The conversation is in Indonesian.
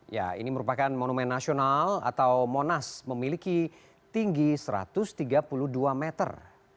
ya ini merupakan monumen nasional atau monas memiliki tinggi satu ratus tiga puluh dua meter